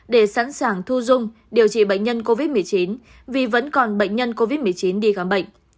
để sẵn sàng thu dung điều trị bệnh nhân covid một mươi chín vì vẫn còn bệnh nhân covid một mươi chín đi khám bệnh